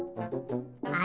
あれ？